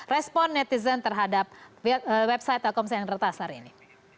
respon netizen terhadap website telkomsel retas hari ini